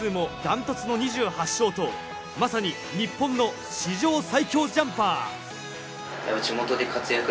通算勝利数もダントツの２８勝とまさに日本の史上最強ジャンパー。